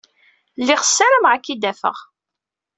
Lliɣ ssarameɣ ad k-id-afeɣ.